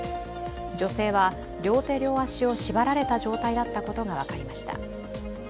女性は、両手両足を縛られた状態だったことが分かりました。